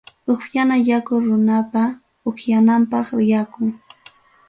Upyana yakuqa runapa upyananpaq yakum.